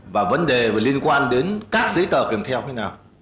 và vấn đề liên quan đến các giấy tờ kèm theo như thế nào